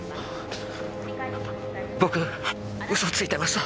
僕嘘ついてました。